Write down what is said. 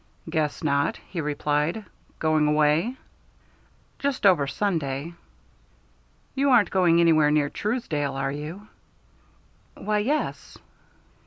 "Guess not," he replied. "Going away?" "Just over Sunday." "You aren't going anywhere near Truesdale, are you?" "Why, yes."